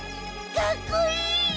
かっこいい！